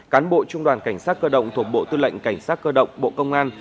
cán bộ trung đoàn cảnh sát cơ động thuộc bộ tư lệnh cảnh sát cơ động bộ công an